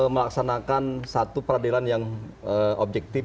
melaksanakan satu peradilan yang objektif